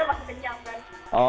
karena sahurnya masih kenyang kan